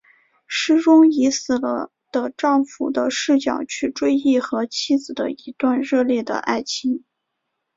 诗中以死了的丈夫的视点去追忆和妻子的一段热烈的爱情。